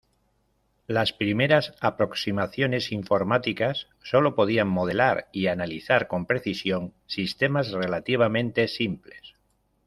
Las primeras aproximaciones informáticas sólo podían modelar y analizar con precisión sistemas relativamente simples.